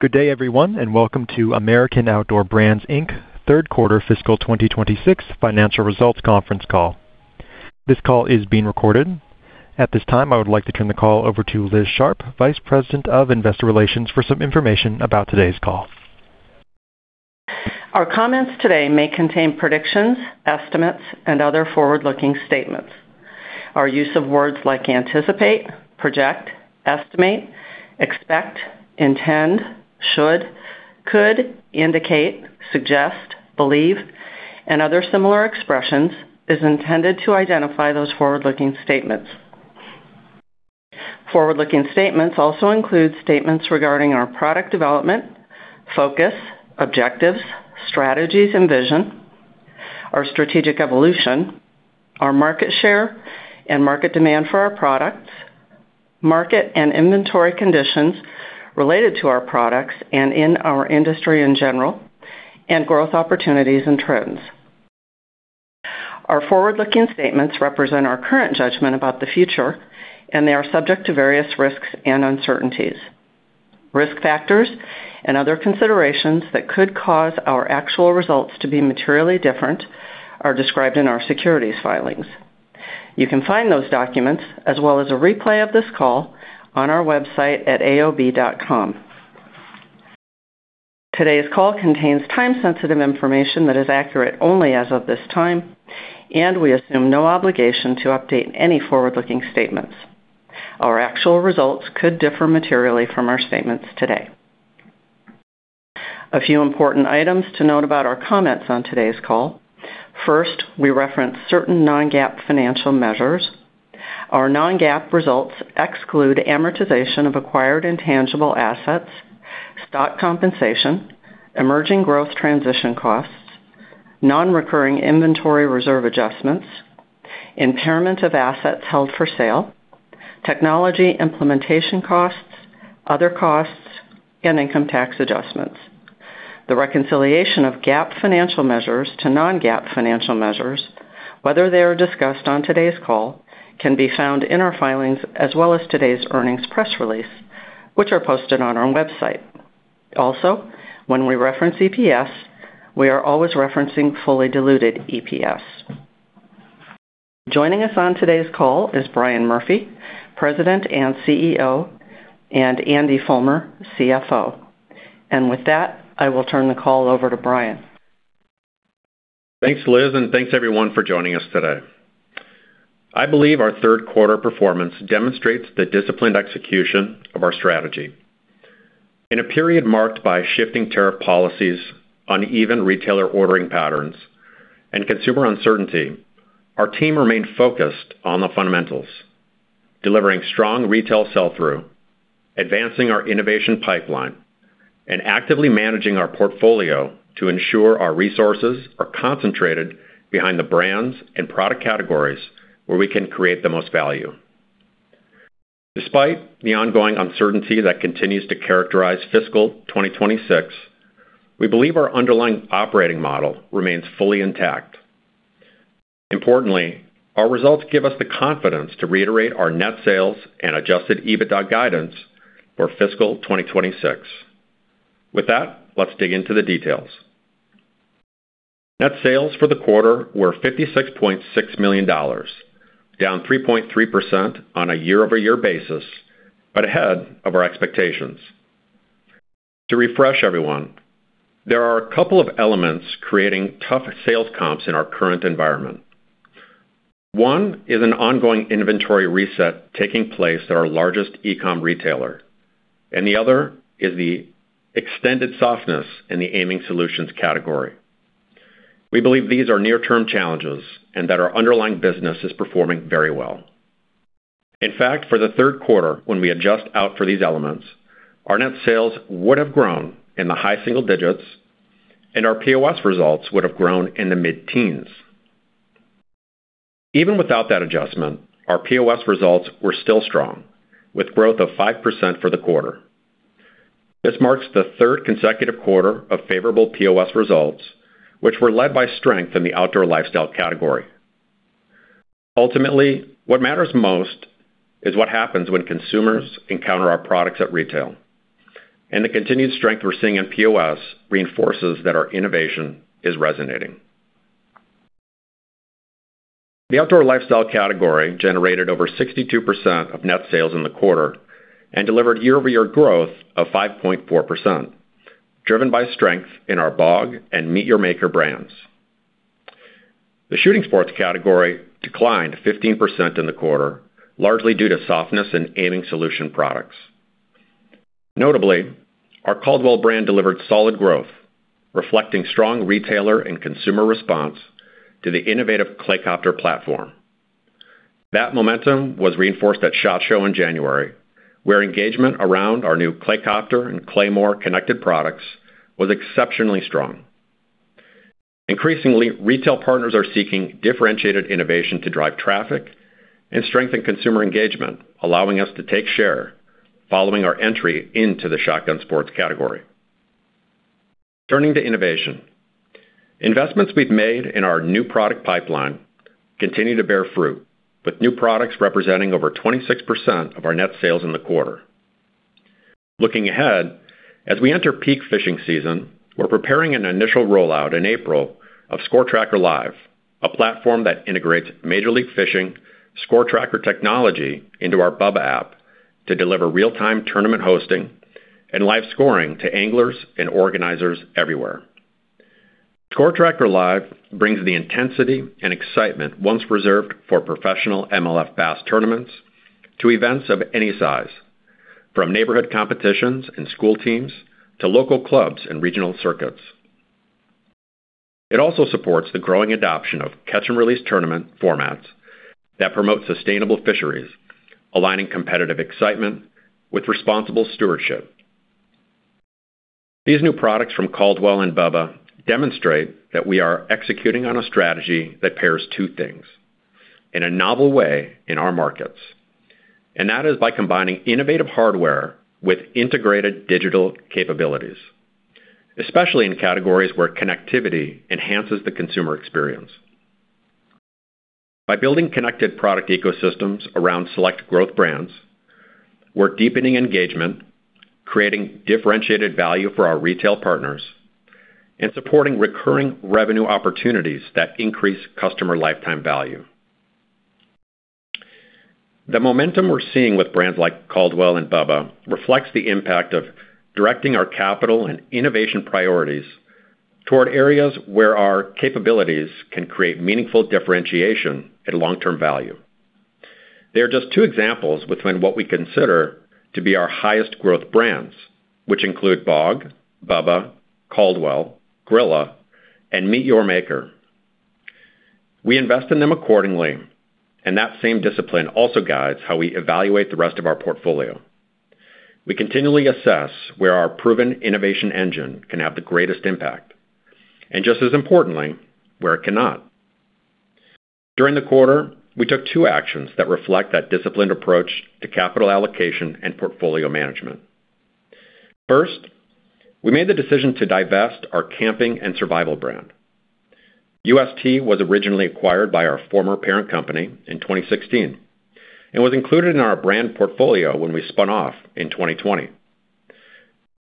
Good day, everyone, and welcome to American Outdoor Brands, Inc. third quarter fiscal 2026 financial results conference call. This call is being recorded. At this time, I would like to turn the call over to Liz Sharp, Vice President of Investor Relations, for some information about today's call. Our comments today may contain predictions, estimates, and other forward-looking statements. Our use of words like anticipate, project, estimate, expect, intend, should, could, indicate, suggest, believe, and other similar expressions is intended to identify those forward-looking statements. Forward-looking statements also include statements regarding our product development, focus, objectives, strategies and vision, our strategic evolution, our market share and market demand for our products, market and inventory conditions related to our products and in our industry in general, and growth opportunities and trends. Our forward-looking statements represent our current judgment about the future, and they are subject to various risks and uncertainties. Risk factors and other considerations that could cause our actual results to be materially different are described in our securities filings. You can find those documents as well as a replay of this call on our website at aob.com. Today's call contains time-sensitive information that is accurate only as of this time, and we assume no obligation to update any forward-looking statements. Our actual results could differ materially from our statements today. A few important items to note about our comments on today's call. First, we reference certain non-GAAP financial measures. Our non-GAAP results exclude amortization of acquired intangible assets, stock compensation, emerging growth transition costs, non-recurring inventory reserve adjustments, impairment of assets held for sale, technology implementation costs, other costs, and income tax adjustments. The reconciliation of GAAP financial measures to non-GAAP financial measures, whether they are discussed on today's call, can be found in our filings, as well as today's earnings press release, which are posted on our website. Also, when we reference EPS, we are always referencing fully diluted EPS. Joining us on today's call is Brian Murphy, President and CEO, and Andy Fulmer, CFO. With that, I will turn the call over to Brian. Thanks, Liz, and thanks everyone for joining us today. I believe our third quarter performance demonstrates the disciplined execution of our strategy. In a period marked by shifting tariff policies, uneven retailer ordering patterns, and consumer uncertainty, our team remained focused on the fundamentals, delivering strong retail sell-through, advancing our innovation pipeline, and actively managing our portfolio to ensure our resources are concentrated behind the brands and product categories where we can create the most value. Despite the ongoing uncertainty that continues to characterize fiscal 2026, we believe our underlying operating model remains fully intact. Importantly, our results give us the confidence to reiterate our net sales and adjusted EBITDA guidance for fiscal 2026. With that, let's dig into the details. Net sales for the quarter were $56.6 million, down 3.3% on a year-over-year basis, but ahead of our expectations. To refresh everyone, there are a couple of elements creating tough sales comps in our current environment. One is an ongoing inventory reset taking place at our largest e-com retailer, and the other is the extended softness in the aiming solutions category. We believe these are near-term challenges and that our underlying business is performing very well. In fact, for the third quarter, when we adjust out for these elements, our net sales would have grown in the high single digits, and our POS results would have grown in the mid-teens. Even without that adjustment, our POS results were still strong, with growth of 5% for the quarter. This marks the third consecutive quarter of favorable POS results, which were led by strength in the outdoor lifestyle category. Ultimately, what matters most is what happens when consumers encounter our products at retail. The continued strength we're seeing in POS reinforces that our innovation is resonating. The outdoor lifestyle category generated over 62% of net sales in the quarter and delivered year-over-year growth of 5.4%, driven by strength in our BOG and MEAT! Your Maker brands. The shooting sports category declined 15% in the quarter, largely due to softness in aiming solution products. Notably, our Caldwell brand delivered solid growth, reflecting strong retailer and consumer response to the innovative ClayCopter platform. That momentum was reinforced at SHOT Show in January, where engagement around our new ClayCopter and Claymore connected products was exceptionally strong. Increasingly, retail partners are seeking differentiated innovation to drive traffic and strengthen consumer engagement, allowing us to take share following our entry into the shotgun sports category. Turning to innovation. Investments we've made in our new product pipeline continue to bear fruit, with new products representing over 26% of our net sales in the quarter. Looking ahead, as we enter peak fishing season, we're preparing an initial rollout in April of ScoreTracker LIVE, a platform that integrates Major League Fishing ScoreTracker technology into our BUBBA app to deliver real-time tournament hosting and live scoring to anglers and organizers everywhere. ScoreTracker LIVE brings the intensity and excitement once reserved for professional MLF bass tournaments to events of any size, from neighborhood competitions and school teams to local clubs and regional circuits. It also supports the growing adoption of catch-and-release tournament formats that promote sustainable fisheries, aligning competitive excitement with responsible stewardship. These new products from Caldwell and BUBBA demonstrate that we are executing on a strategy that pairs two things in a novel way in our markets, and that is by combining innovative hardware with integrated digital capabilities, especially in categories where connectivity enhances the consumer experience. By building connected product ecosystems around select growth brands, we're deepening engagement, creating differentiated value for our retail partners, and supporting recurring revenue opportunities that increase customer lifetime value. The momentum we're seeing with brands like Caldwell and BUBBA reflects the impact of directing our capital and innovation priorities toward areas where our capabilities can create meaningful differentiation and long-term value. They are just two examples within what we consider to be our highest growth brands, which include BOG, BUBBA, Caldwell, Grilla, and MEAT! Your Maker. We invest in them accordingly, and that same discipline also guides how we evaluate the rest of our portfolio. We continually assess where our proven innovation engine can have the greatest impact and, just as importantly, where it cannot. During the quarter, we took two actions that reflect that disciplined approach to capital allocation and portfolio management. First, we made the decision to divest our camping and survival brand. UST was originally acquired by our former parent company in 2016 and was included in our brand portfolio when we spun off in 2020.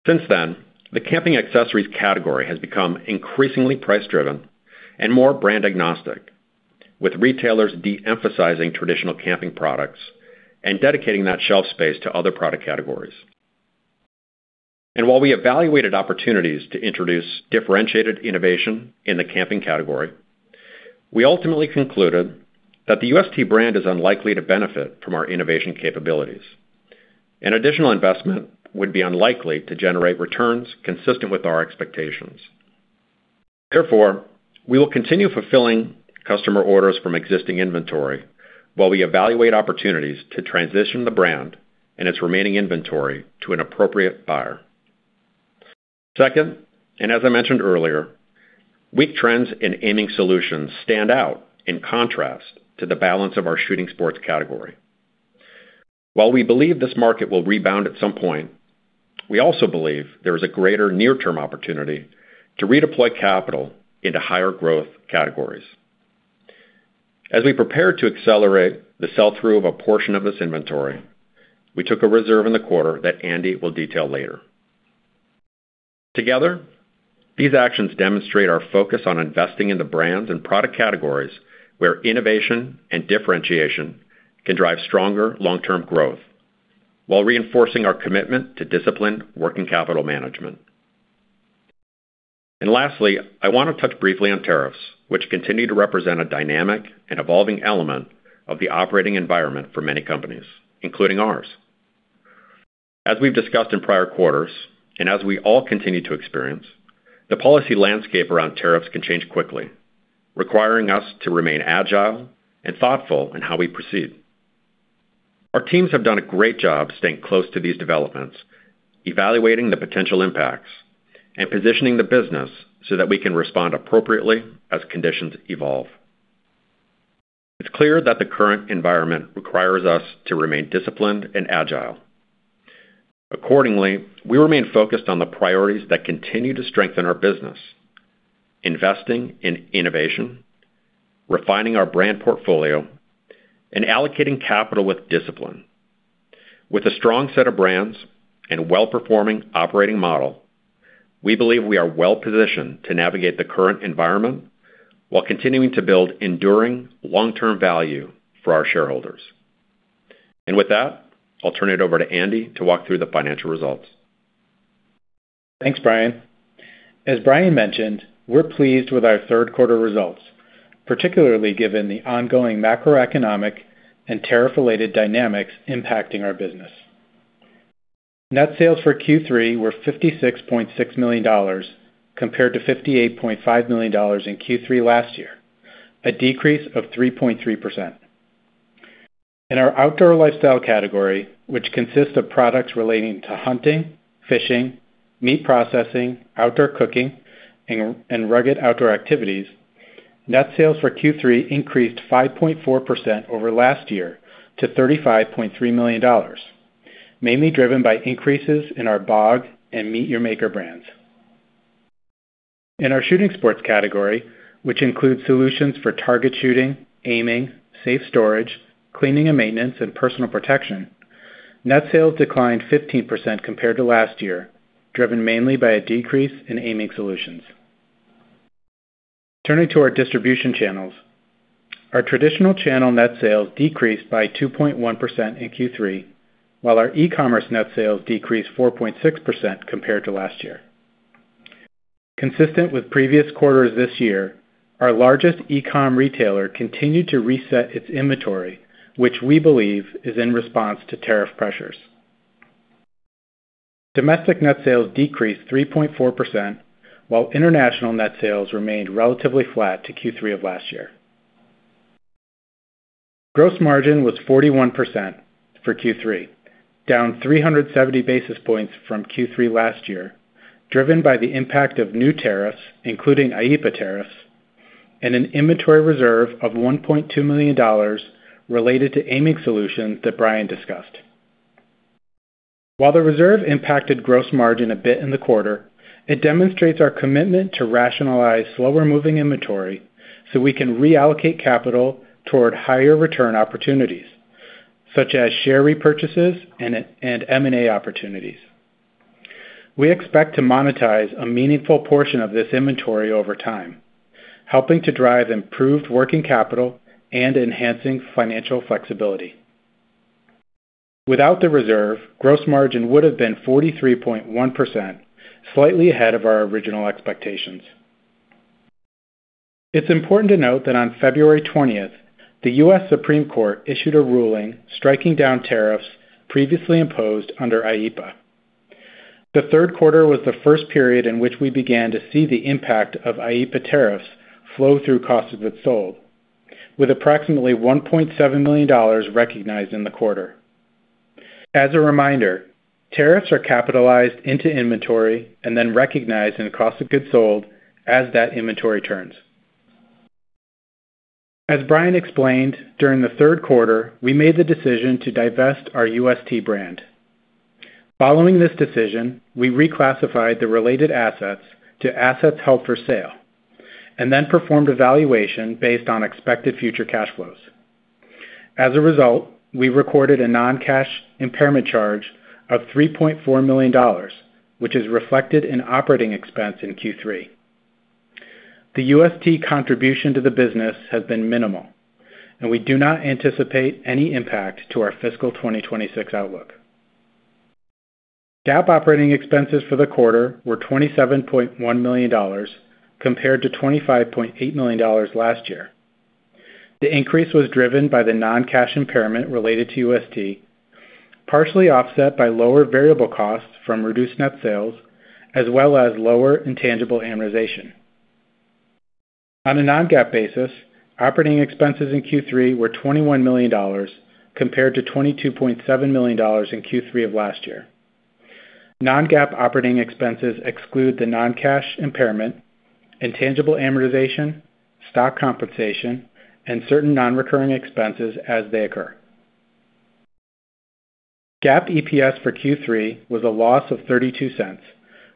Since then, the camping accessories category has become increasingly price-driven and more brand agnostic, with retailers de-emphasizing traditional camping products and dedicating that shelf space to other product categories. While we evaluated opportunities to introduce differentiated innovation in the camping category, we ultimately concluded that the UST brand is unlikely to benefit from our innovation capabilities, and additional investment would be unlikely to generate returns consistent with our expectations. Therefore, we will continue fulfilling customer orders from existing inventory while we evaluate opportunities to transition the brand and its remaining inventory to an appropriate buyer. Second, and as I mentioned earlier, weak trends in aiming solutions stand out in contrast to the balance of our shooting sports category. While we believe this market will rebound at some point, we also believe there is a greater near-term opportunity to redeploy capital into higher growth categories. As we prepare to accelerate the sell-through of a portion of this inventory, we took a reserve in the quarter that Andy will detail later. Together, these actions demonstrate our focus on investing in the brands and product categories where innovation and differentiation can drive stronger long-term growth while reinforcing our commitment to disciplined working capital management. Lastly, I want to touch briefly on tariffs, which continue to represent a dynamic and evolving element of the operating environment for many companies, including ours. As we've discussed in prior quarters, and as we all continue to experience, the policy landscape around tariffs can change quickly, requiring us to remain agile and thoughtful in how we proceed. Our teams have done a great job staying close to these developments, evaluating the potential impacts, and positioning the business so that we can respond appropriately as conditions evolve. It's clear that the current environment requires us to remain disciplined and agile. Accordingly, we remain focused on the priorities that continue to strengthen our business, investing in innovation, refining our brand portfolio, and allocating capital with discipline. With a strong set of brands and well-performing operating model, we believe we are well positioned to navigate the current environment while continuing to build enduring long-term value for our shareholders. With that, I'll turn it over to Andy to walk through the financial results. Thanks, Brian. As Brian mentioned, we're pleased with our third quarter results, particularly given the ongoing macroeconomic and tariff-related dynamics impacting our business. Net sales for Q3 were $56.6 million, compared to $58.5 million in Q3 last year, a decrease of 3.3%. In our outdoor lifestyle category, which consists of products relating to hunting, fishing, meat processing, outdoor cooking, and rugged outdoor activities, net sales for Q3 increased 5.4% over last year to $35.3 million. Mainly driven by increases in our BOG and MEAT! Your Maker brands. In our shooting sports category, which includes solutions for target shooting, aiming, safe storage, cleaning and maintenance, and personal protection, net sales declined 15% compared to last year, driven mainly by a decrease in aiming solutions. Turning to our distribution channels, our traditional channel net sales decreased by 2.1% in Q3, while our e-commerce net sales decreased 4.6% compared to last year. Consistent with previous quarters this year, our largest e-com retailer continued to reset its inventory, which we believe is in response to tariff pressures. Domestic net sales decreased 3.4%, while international net sales remained relatively flat to Q3 of last year. Gross margin was 41% for Q3, down 370 basis points from Q3 last year, driven by the impact of new tariffs, including IEEPA tariffs, and an inventory reserve of $1.2 million related to aiming solutions that Brian discussed. While the reserve impacted gross margin a bit in the quarter, it demonstrates our commitment to rationalize slower moving inventory so we can reallocate capital toward higher return opportunities, such as share repurchases and M&A opportunities. We expect to monetize a meaningful portion of this inventory over time, helping to drive improved working capital and enhancing financial flexibility. Without the reserve, gross margin would have been 43.1%, slightly ahead of our original expectations. It's important to note that on February 20th, the U.S. Supreme Court issued a ruling striking down tariffs previously imposed under IEEPA. The third quarter was the first period in which we began to see the impact of IEEPA tariffs flow through cost of goods sold, with approximately $1.7 million recognized in the quarter. As a reminder, tariffs are capitalized into inventory and then recognized in the cost of goods sold as that inventory turns. As Brian explained, during the third quarter, we made the decision to divest our UST brand. Following this decision, we reclassified the related assets to assets held for sale and then performed a valuation based on expected future cash flows. As a result, we recorded a non-cash impairment charge of $3.4 million, which is reflected in operating expense in Q3. The UST contribution to the business has been minimal, and we do not anticipate any impact to our fiscal 2026 outlook. GAAP operating expenses for the quarter were $27.1 million compared to $25.8 million last year. The increase was driven by the non-cash impairment related to UST, partially offset by lower variable costs from reduced net sales, as well as lower intangible amortization. On a non-GAAP basis, operating expenses in Q3 were $21 million compared to $22.7 million in Q3 of last year. Non-GAAP operating expenses exclude the non-cash impairment, intangible amortization, stock compensation, and certain non-recurring expenses as they occur. GAAP EPS for Q3 was a loss of $0.32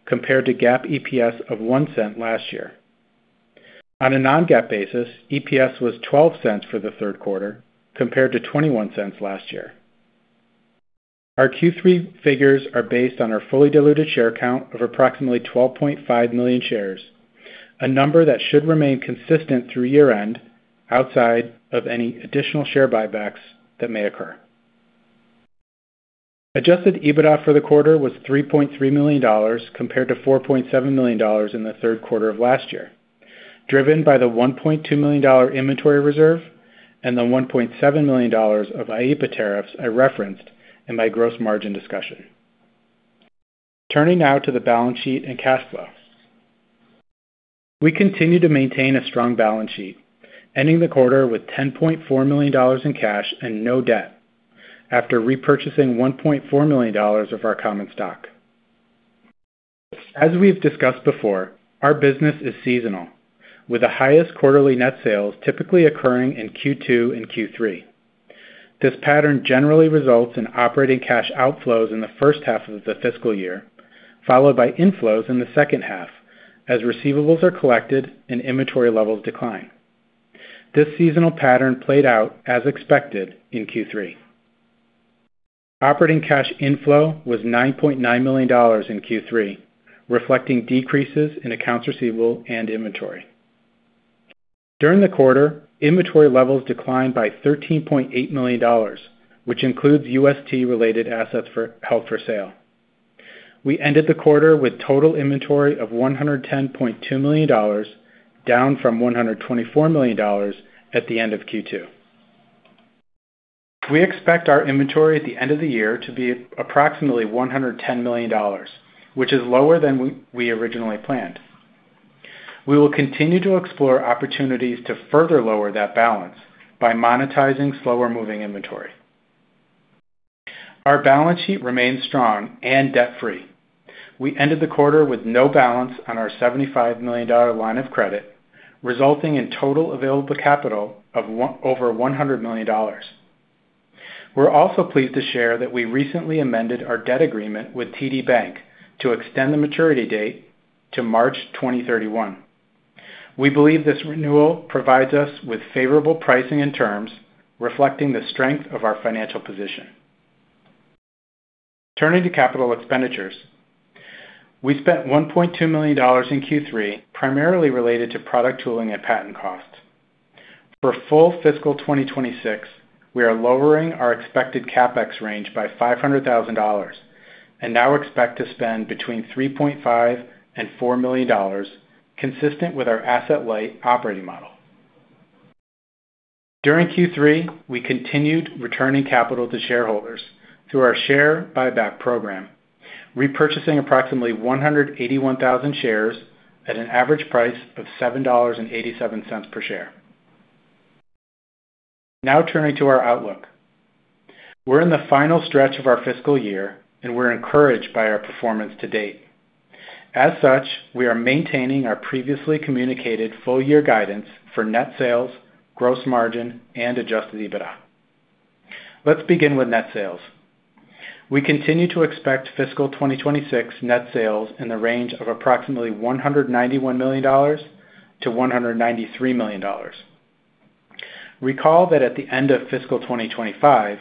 compared to GAAP EPS of $0.01 last year. On a non-GAAP basis, EPS was $0.12 for the third quarter compared to $0.21 last year. Our Q3 figures are based on our fully diluted share count of approximately 12.5 million shares, a number that should remain consistent through year-end outside of any additional share buybacks that may occur. Adjusted EBITDA for the quarter was $3.3 million compared to $4.7 million in the third quarter of last year, driven by the $1.2 million inventory reserve and the $1.7 million of IEEPA tariffs I referenced in my gross margin discussion. Turning now to the balance sheet and cash flow. We continue to maintain a strong balance sheet, ending the quarter with $10.4 million in cash and no debt after repurchasing $1.4 million of our common stock. As we've discussed before, our business is seasonal, with the highest quarterly net sales typically occurring in Q2 and Q3. This pattern generally results in operating cash outflows in the first half of the fiscal year, followed by inflows in the second half as receivables are collected and inventory levels decline. This seasonal pattern played out as expected in Q3. Operating cash inflow was $9.9 million in Q3, reflecting decreases in accounts receivable and inventory. During the quarter, inventory levels declined by $13.8 million, which includes UST-related assets for held for sale. We ended the quarter with total inventory of $110.2 million, down from $124 million at the end of Q2. We expect our inventory at the end of the year to be approximately $110 million, which is lower than we originally planned. We will continue to explore opportunities to further lower that balance by monetizing slower-moving inventory. Our balance sheet remains strong and debt-free. We ended the quarter with no balance on our $75 million line of credit, resulting in total available capital of over $100 million. We're also pleased to share that we recently amended our debt agreement with TD Bank to extend the maturity date to March 2031. We believe this renewal provides us with favorable pricing and terms reflecting the strength of our financial position. Turning to capital expenditures. We spent $1.2 million in Q3 primarily related to product tooling and patent costs. For full fiscal 2026, we are lowering our expected CapEx range by $500,000 and now expect to spend between $3.5 million and $4 million consistent with our asset-light operating model. During Q3, we continued returning capital to shareholders through our share buyback program, repurchasing approximately 181,000 shares at an average price of $7.87 per share. Now turning to our outlook. We're in the final stretch of our fiscal year, and we're encouraged by our performance to date. As such, we are maintaining our previously communicated full year guidance for net sales, gross margin, and adjusted EBITDA. Let's begin with net sales. We continue to expect fiscal 2026 net sales in the range of approximately $191 million-$193 million. Recall that at the end of fiscal 2025,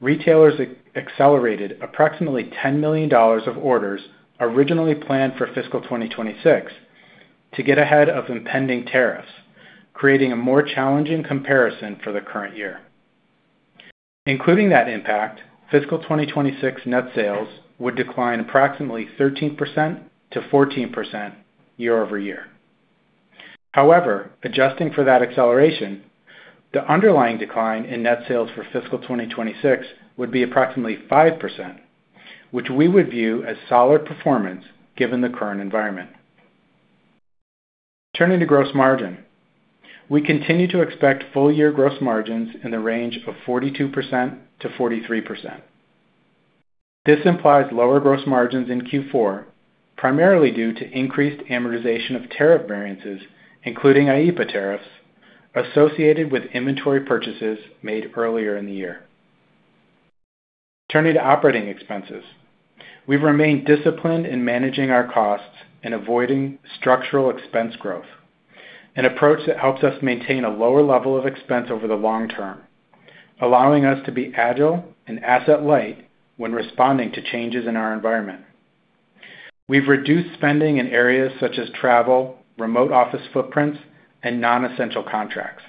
retailers accelerated approximately $10 million of orders originally planned for fiscal 2026 to get ahead of impending tariffs, creating a more challenging comparison for the current year. Including that impact, fiscal 2026 net sales would decline approximately 13%-14% year-over-year. However, adjusting for that acceleration, the underlying decline in net sales for fiscal 2026 would be approximately 5%, which we would view as solid performance given the current environment. Turning to gross margin. We continue to expect full year gross margins in the range of 42%-43%. This implies lower gross margins in Q4, primarily due to increased amortization of tariff variances, including IEEPA tariffs, associated with inventory purchases made earlier in the year. Turning to operating expenses. We've remained disciplined in managing our costs and avoiding structural expense growth, an approach that helps us maintain a lower level of expense over the long term, allowing us to be agile and asset light when responding to changes in our environment. We've reduced spending in areas such as travel, remote office footprints, and non-essential contracts.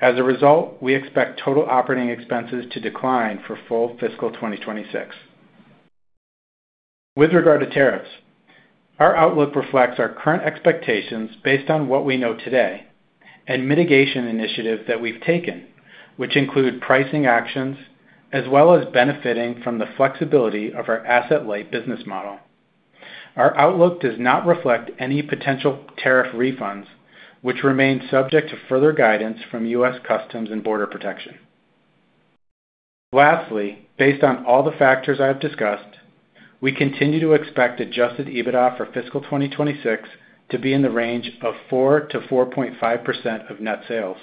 As a result, we expect total operating expenses to decline for full fiscal 2026. With regard to tariffs, our outlook reflects our current expectations based on what we know today and mitigation initiatives that we've taken, which include pricing actions as well as benefiting from the flexibility of our asset-light business model. Our outlook does not reflect any potential tariff refunds, which remain subject to further guidance from U.S. Customs and Border Protection. Lastly, based on all the factors I have discussed, we continue to expect adjusted EBITDA for fiscal 2026 to be in the range of 4%-4.5% of net sales.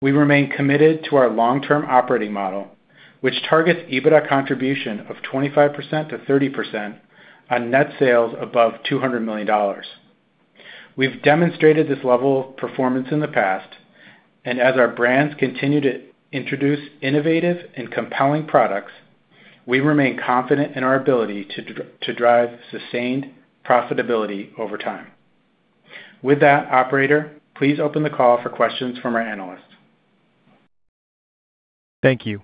We remain committed to our long-term operating model, which targets EBITDA contribution of 25%-30% on net sales above $200 million. We've demonstrated this level of performance in the past, and as our brands continue to introduce innovative and compelling products, we remain confident in our ability to drive sustained profitability over time. With that, operator, please open the call for questions from our analysts. Thank you.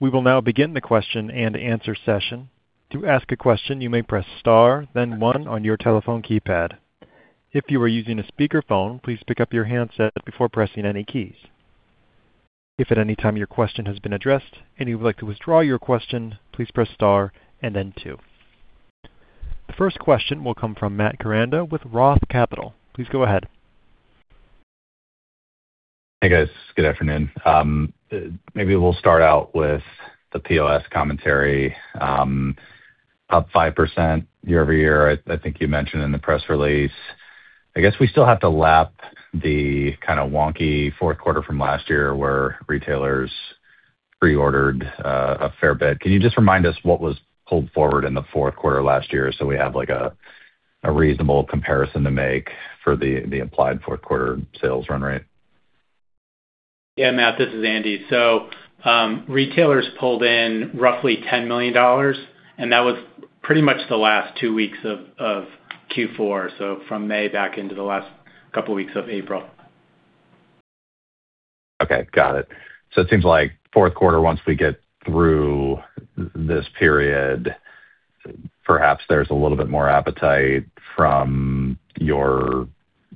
We will now begin the question-and-answer session. To ask a question, you may press star then one on your telephone keypad. If you are using a speakerphone, please pick up your handset before pressing any keys. If at any time your question has been addressed and you would like to withdraw your question, please press star and then two. The first question will come from Matt Koranda with Roth Capital. Please go ahead. Hey, guys. Good afternoon. Maybe we'll start out with the POS commentary, up 5% year-over-year. I think you mentioned in the press release. I guess we still have to lap the kinda wonky fourth quarter from last year where retailers pre-ordered a fair bit. Can you just remind us what was pulled forward in the fourth quarter last year so we have, like, a reasonable comparison to make for the implied fourth quarter sales run rate? Matt, this is Andy. Retailers pulled in roughly $10 million, and that was pretty much the last two weeks of Q4, so from May back into the last couple weeks of April. Okay, got it. It seems like fourth quarter, once we get through this period, perhaps there's a little bit more appetite from your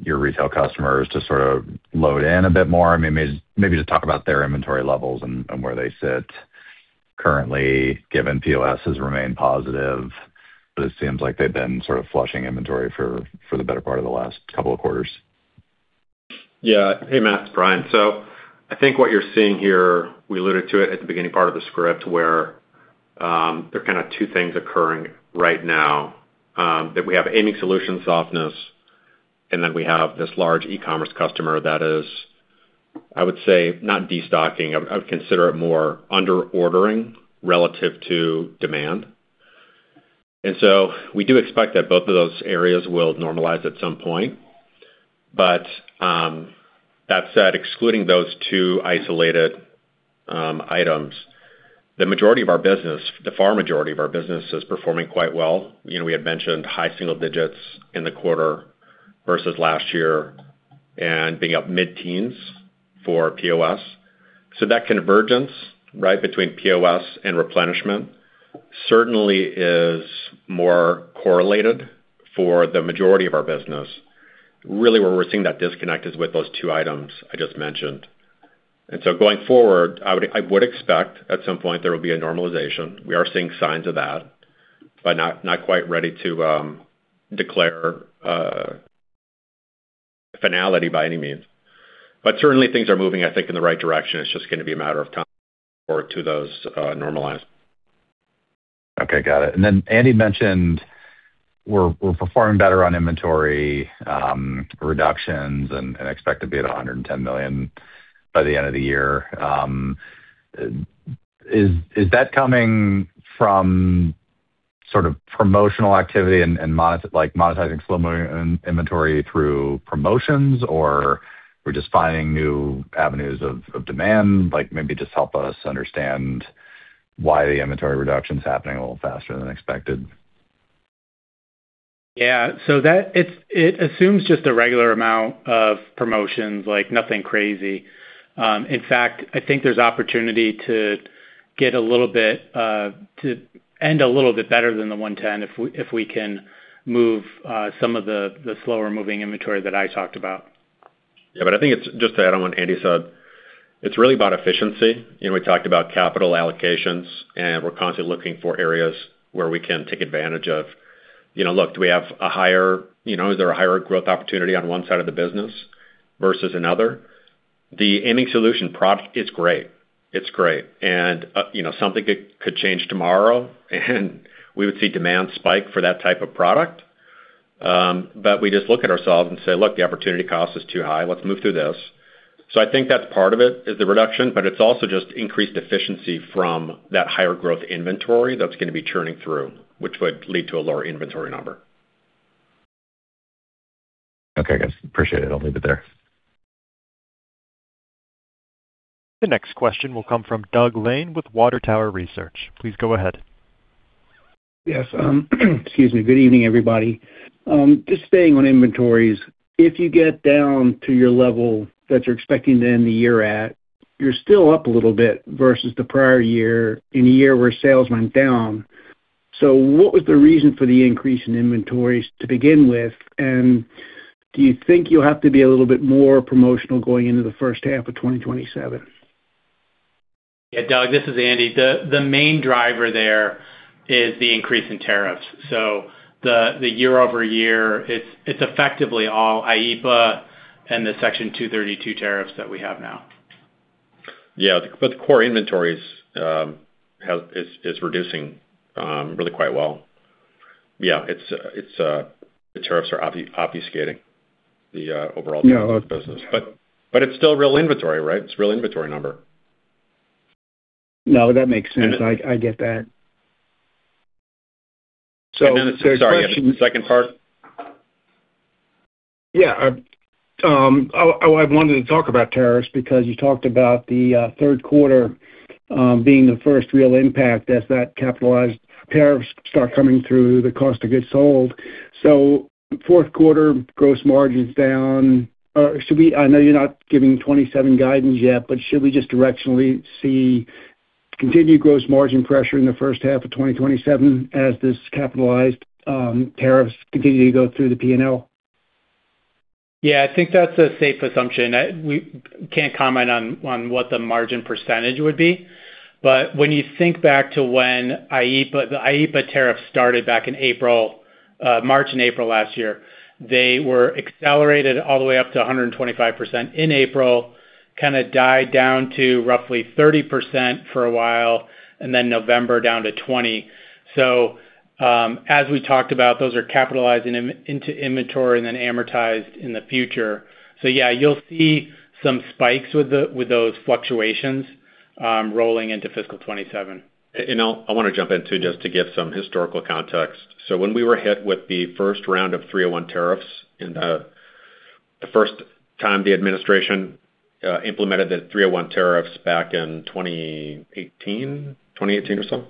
retail customers to sort of load in a bit more. I mean, maybe just talk about their inventory levels and where they sit currently, given POS has remained positive, but it seems like they've been sort of flushing inventory for the better part of the last couple of quarters. Yeah. Hey, Matt, it's Brian. I think what you're seeing here, we alluded to it at the beginning part of the script, where there are kind of two things occurring right now, that we have aiming solution softness, and then we have this large e-commerce customer that is, I would say, not destocking. I'd consider it more under-ordering relative to demand. We do expect that both of those areas will normalize at some point. That said, excluding those two isolated items, the majority of our business, the far majority of our business is performing quite well. You know, we had mentioned high single digits in the quarter versus last year and being up mid-teens for POS. That convergence, right, between POS and replenishment certainly is more correlated for the majority of our business. Really, where we're seeing that disconnect is with those two items I just mentioned. Going forward, I would expect at some point there will be a normalization. We are seeing signs of that, but not quite ready to declare finality by any means. Certainly things are moving, I think, in the right direction. It's just gonna be a matter of time for those to normalize. Okay, got it. Andy mentioned we're performing better on inventory reductions and expect to be at $110 million by the end of the year. Is that coming from sort of promotional activity and monetizing slow-moving inventory through promotions, or we're just finding new avenues of demand? Like, maybe just help us understand why the inventory reduction's happening a little faster than expected. It assumes just a regular amount of promotions, like nothing crazy. In fact, I think there's opportunity to get a little bit to end a little bit better than the $110 if we can move some of the slower moving inventory that I talked about. I think it's just to add on what Andy said, it's really about efficiency. You know, we talked about capital allocations, and we're constantly looking for areas where we can take advantage of, you know, look, is there a higher growth opportunity on one side of the business versus another? The aiming solution product is great. It's great. You know, something could change tomorrow, and we would see demand spike for that type of product. We just look at ourselves and say, "Look, the opportunity cost is too high. Let's move through this." I think that's part of it, is the reduction, but it's also just increased efficiency from that higher growth inventory that's gonna be churning through, which would lead to a lower inventory number. Okay, guys. Appreciate it. I'll leave it there. The next question will come from Doug Lane with Water Tower Research. Please go ahead. Good evening, everybody. Just staying on inventories, if you get down to your level that you're expecting to end the year at, you're still up a little bit versus the prior year in a year where sales went down. What was the reason for the increase in inventories to begin with, and do you think you'll have to be a little bit more promotional going into the first half of 2027? Yeah, Doug, this is Andy. The main driver there is the increase in tariffs. The year-over-year, it's effectively all IEEPA and the Section 232 tariffs that we have now. Yeah, the core inventories is reducing really quite well. Yeah, it's the tariffs are obfuscating the overall business. It's still real inventory, right? It's real inventory number. No, that makes sense. I get that. second part? Yeah. I wanted to talk about tariffs because you talked about the third quarter being the first real impact as that capitalized tariffs start coming through the cost of goods sold. Fourth quarter gross margin's down. Or should we? I know you're not giving 2027 guidance yet, but should we just directionally see continued gross margin pressure in the first half of 2027 as this capitalized tariffs continue to go through the P&L? Yeah, I think that's a safe assumption. We can't comment on what the margin percentage would be. When you think back to when IEEPA-- the IEEPA tariff started back in April, March and April last year, they were accelerated all the way up to 125% in April, kinda died down to roughly 30% for a while, and then November down to 20%. As we talked about, those are capitalized into inventory and then amortized in the future. Yeah, you'll see some spikes with those fluctuations rolling into fiscal 2027. I wanna jump in too, just to give some historical context. When we were hit with the first round of 301 tariffs in the first time the administration implemented the 301 tariffs back in 2018 or so.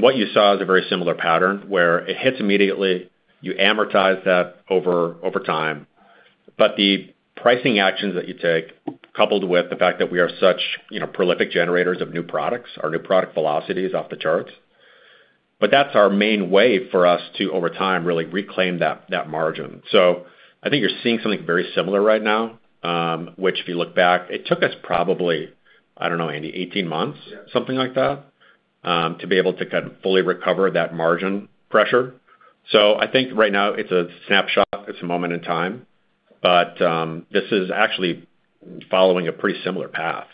What you saw is a very similar pattern, where it hits immediately, you amortize that over time. But the pricing actions that you take, coupled with the fact that we are such, you know, prolific generators of new products, our new product velocity is off the charts. But that's our main way for us to, over time, really reclaim that margin. I think you're seeing something very similar right now, which if you look back, it took us probably, I don't know, Andy, 18 months? Something like that. To be able to kind of fully recover that margin pressure. I think right now it's a snapshot. It's a moment in time, but this is actually following a pretty similar path.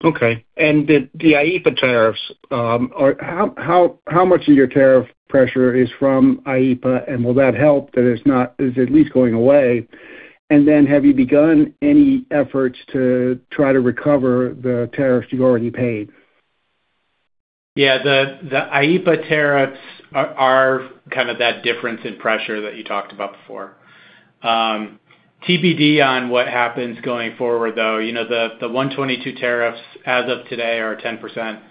The IEEPA tariffs. How much of your tariff pressure is from IEEPA, and will that help that it's at least going away? Have you begun any efforts to try to recover the tariffs you already paid? Yeah. The IEEPA tariffs are kind of that difference in pressure that you talked about before. TBD on what happens going forward, though, you know, the 122 tariffs as of today are 10%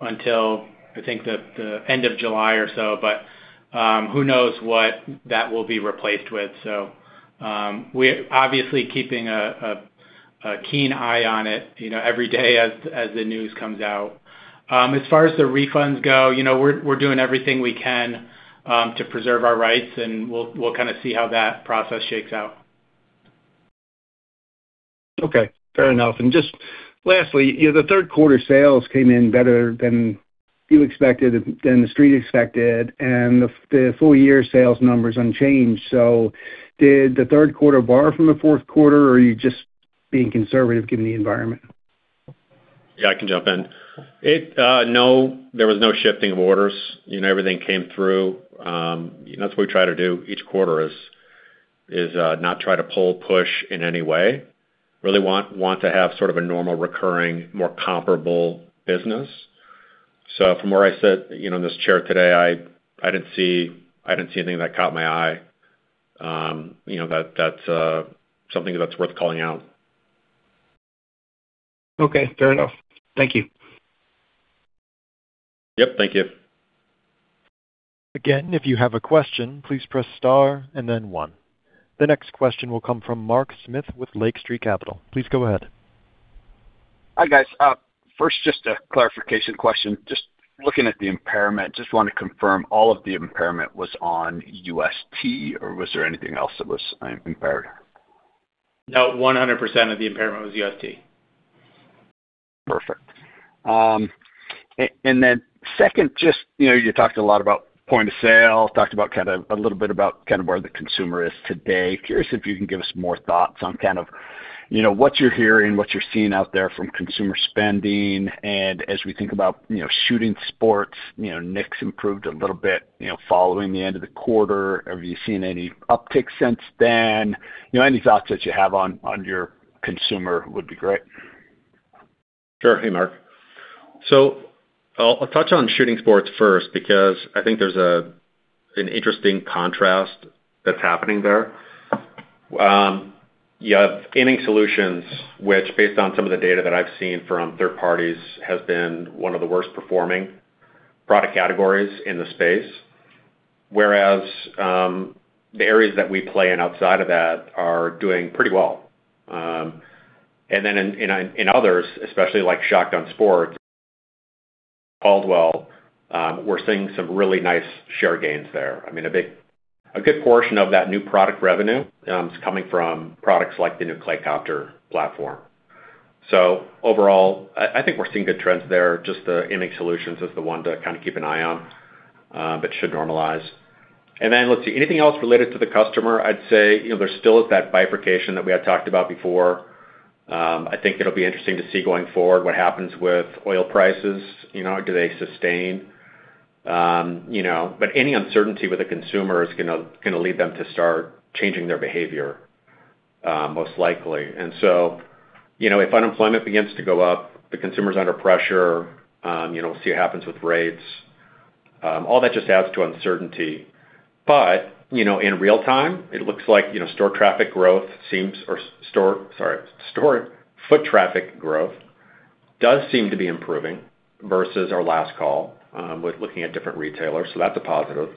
until, I think, the end of July or so. Who knows what that will be replaced with. We're obviously keeping a keen eye on it, you know, every day as the news comes out. As far as the refunds go, you know, we're doing everything we can to preserve our rights, and we'll kind of see how that process shakes out. Okay. Fair enough. Just lastly, you know, the third quarter sales came in better than you expected, than the Street expected, and the full year sales numbers unchanged. Did the third quarter borrow from the fourth quarter, or are you just being conservative given the environment? Yeah, I can jump in. No, there was no shifting of orders. You know, everything came through. That's what we try to do each quarter is not try to pull or push in any way. Really want to have sort of a normal, recurring, more comparable business. From where I sit, you know, in this chair today, I didn't see anything that caught my eye, you know, that's something that's worth calling out. Okay. Fair enough. Thank you. Yep. Thank you. Again, if you have a question, please press star and then one. The next question will come from Mark Smith with Lake Street Capital. Please go ahead. Hi, guys. First just a clarification question. Just looking at the impairment, just wanna confirm all of the impairment was on UST or was there anything else that was impaired? No, 100% of the impairment was UST. Perfect. Then second, just, you know, you talked a lot about point of sale, talked about a little bit about kinda where the consumer is today. Curious if you can give us more thoughts on kind of, you know, what you're hearing, what you're seeing out there from consumer spending, and as we think about, you know, shooting sports, you know, NICS improved a little bit, you know, following the end of the quarter. Have you seen any uptick since then? You know, any thoughts that you have on your consumer would be great. Sure. Hey, Mark. I'll touch on shooting sports first because I think there's an interesting contrast that's happening there. You have Aiming Solutions, which based on some of the data that I've seen from third parties, has been one of the worst performing product categories in the space. Whereas, the areas that we play in outside of that are doing pretty well. In others, especially like shotgun sports, Caldwell, we're seeing some really nice share gains there. I mean, a good portion of that new product revenue is coming from products like the new ClayCopter platform. Overall, I think we're seeing good trends there. Just the Aiming Solutions is the one to kinda keep an eye on, but should normalize. Let's see, anything else related to the customer, I'd say, you know, there still is that bifurcation that we had talked about before. I think it'll be interesting to see going forward what happens with oil prices. You know, do they sustain? But any uncertainty with the consumer is gonna lead them to start changing their behavior, most likely. You know, if unemployment begins to go up, the consumer's under pressure, we'll see what happens with rates. All that just adds to uncertainty. But, you know, in real time, it looks like, you know, store foot traffic growth does seem to be improving versus our last call, with looking at different retailers, so that's a positive.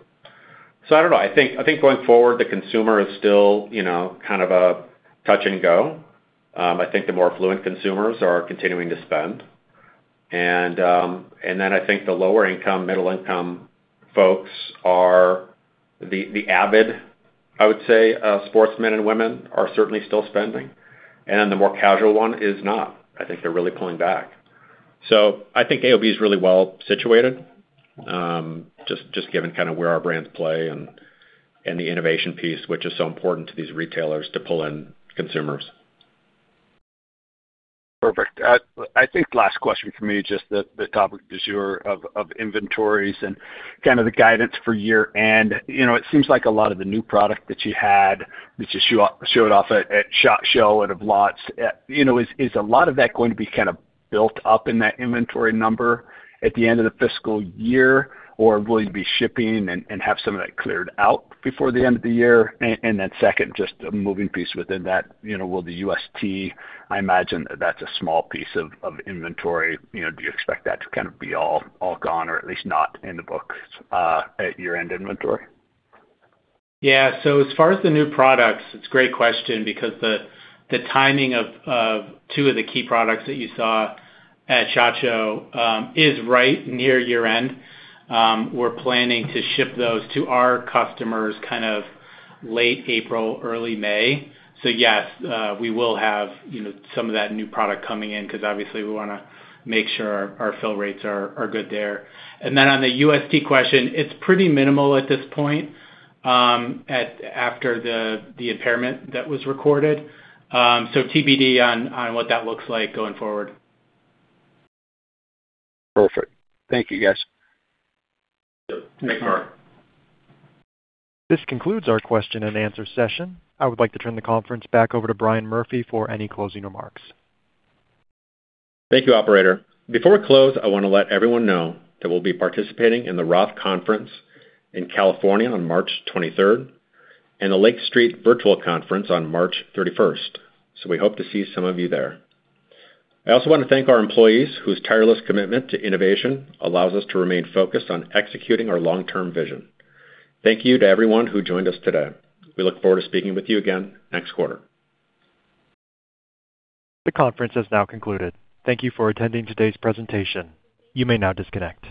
I don't know. I think going forward, the consumer is still, you know, kind of a touch-and-go. I think the more affluent consumers are continuing to spend. Then I think the lower income, middle income folks are the avid, I would say, sportsmen and women are certainly still spending, and the more casual one is not. I think they're really pulling back. I think AOB is really well situated, just given kinda where our brands play and the innovation piece, which is so important to these retailers to pull in consumers. Perfect. I think last question for me, just the topic du jour of inventories and kinda the guidance for year-end. You know, it seems like a lot of the new product that you had, which you showed off at SHOT Show and [of lots], you know, is a lot of that going to be kind of built up in that inventory number at the end of the fiscal year? Or will you be shipping and have some of that cleared out before the end of the year? Second, just a moving piece within that, you know, will the UST, I imagine that's a small piece of inventory. You know, do you expect that to kind of be all gone or at least not in the books at year-end inventory? Yeah. As far as the new products, it's a great question because the timing of two of the key products that you saw at SHOT Show is right near year-end. We're planning to ship those to our customers kind of late April, early May. Yes, we will have, you know, some of that new product coming in 'cause obviously we wanna make sure our fill rates are good there. Then on the UST question, it's pretty minimal at this point, after the impairment that was recorded. TBD on what that looks like going forward. Perfect. Thank you, guys. Thanks, Mark. This concludes our question and answer session. I would like to turn the conference back over to Brian Murphy for any closing remarks. Thank you, operator. Before we close, I wanna let everyone know that we'll be participating in the Roth Conference in California on March 23rd, and the Lake Street Virtual Conference on March 31st, so we hope to see some of you there. I also wanna thank our employees whose tireless commitment to innovation allows us to remain focused on executing our long-term vision. Thank you to everyone who joined us today. We look forward to speaking with you again next quarter. The conference has now concluded. Thank you for attending today's presentation. You may now disconnect.